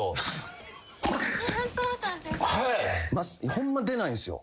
ホンマ出ないんすよ